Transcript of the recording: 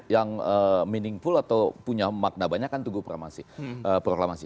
yang meaningful atau punya makna banyak kan tugu proklamasi